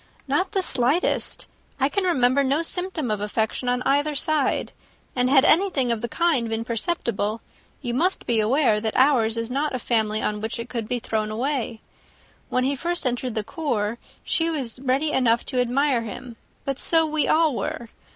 "Not the slightest. I can remember no symptom of affection on either side; and had anything of the kind been perceptible, you must be aware that ours is not a family on which it could be thrown away. When first he entered the corps, she was ready enough to admire him; but so we all were.